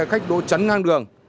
khách đổ chắn ngang đường